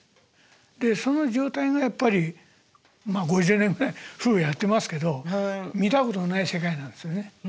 でその状態がやっぱりまあ５０年ぐらい夫婦やってますけど見たことのない世界なんですよね。